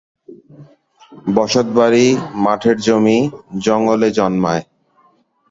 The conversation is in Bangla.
বসতবাড়ি, মাঠের জমি, জঙ্গলে জন্মায়।